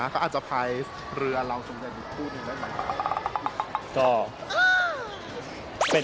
เขาอาจจะพายเรือเราสมจัยดูคู่นึงได้ไหม